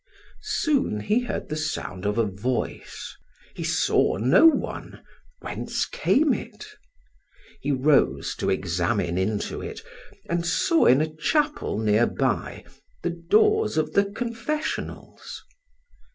Soon he heard the sound of a voice. He saw no one; whence came it? He rose to examine into it, and saw in a chapel near by, the doors of the confessionals.